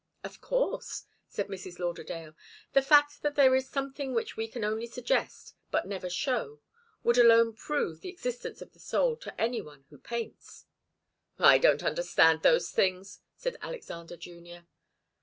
"Of course," said Mrs. Lauderdale. "The fact that there is something which we can only suggest but never show would alone prove the existence of the soul to any one who paints." "I don't understand those things," said Alexander Junior.